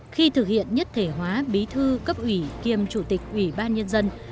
khi thực hiện nhất thể hóa bí thư cấp ủy kiêm chủ tịch ủy ban nhân dân